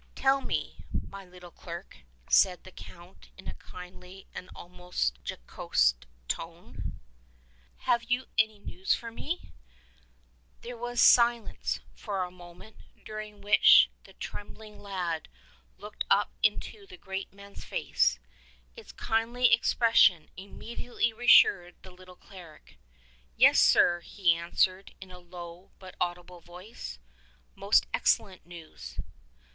''Tell me, my little clerk," said the Count in a kindly and almost jocose tone, — "have you any news for me ?" There was silence for a moment during which the trem bling lad looked up into the great man's face. Its kindly expression immediately reassured the little cleric. "Yes, sire," he answered in a low, but audible voice; "most excellent news."